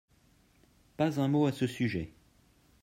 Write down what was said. pas un mot à ce sujet.